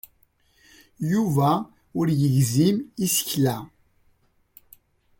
Yuba ur igezzem isekla.